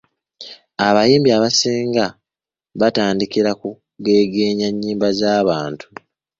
Abayimbi abasinga batandikira ku kugeegeenya nnyimba za bantu.